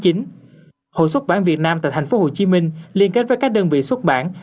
hội xuất bản việt nam tại thành phố hồ chí minh liên kết với các đơn vị xuất bản